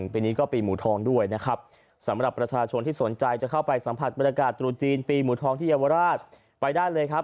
ผลัดบรรยากาศตรูจีนปีหมู่ทองที่เยาวราชไปได้เลยครับ